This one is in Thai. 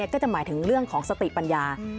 ก็จะหมายถึงเรื่องของสติปัญญา